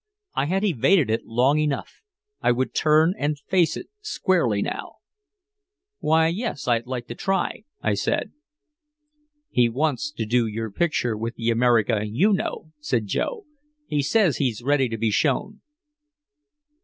I had evaded it long enough, I would turn and face it squarely now. "Why yes, I'd like to try," I said. "He wants to do your picture with the America you know," said Joe. "He says he's ready to be shown."